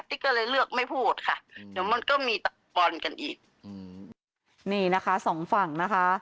ก็เลยเลือกไม่พูดค่ะเดี๋ยวมันก็มีตะบอลกันอีกอืมนี่นะคะสองฝั่งนะคะ